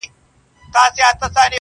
بار به سپک سي او هوسا سفر به وکړې.!